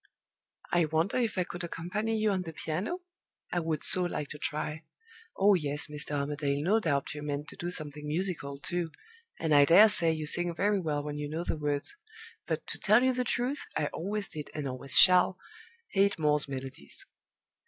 I wonder if I could accompany you on the piano? I would so like to try. Oh, yes, Mr. Armadale, no doubt you meant to do something musical, too, and I dare say you sing very well when you know the words; but, to tell you the truth, I always did, and always shall, hate Moore's Melodies!"